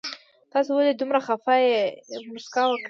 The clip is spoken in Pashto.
تاسو ولې دومره خفه يي مسکا وکړئ